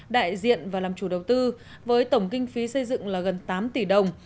đại diện và làm chủ đầu tư với tổng kinh phí xây dựng là gần tám tỷ đồng